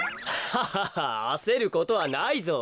ハハハあせることはないぞ。